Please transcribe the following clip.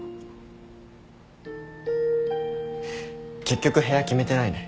結局部屋決めてないね。